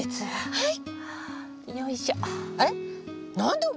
はい。